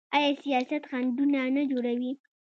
آیا سیاست خنډونه نه جوړوي؟